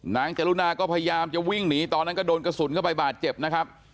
กรุณาก็พยายามจะวิ่งหนีตอนนั้นก็โดนกระสุนเข้าไปบาดเจ็บนะครับ